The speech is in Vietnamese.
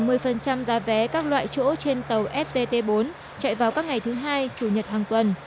giá một mươi giá vé các loại chỗ trên tàu spt bốn chạy vào các ngày thứ hai chủ nhật hàng tuần